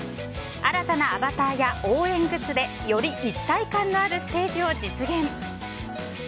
新たなアバターや応援グッズでより一体感のあるステージを実現。